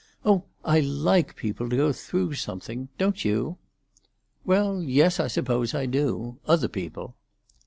Oh, I like people to go through something. Don't you?" "Well, yes, I suppose I do. Other people."